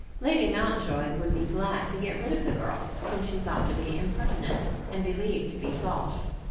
Lady Mountjoy would be glad to get rid of the girl, whom she thought to be impertinent and believed to be false.